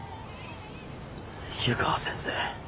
湯川先生。